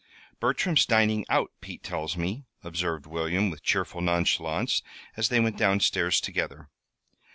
"Bertram's dining out, Pete tells me," observed William, with cheerful nonchalance, as they went down stairs together.